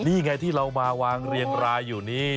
นี่ไงที่เรามาวางเรียงรายอยู่นี่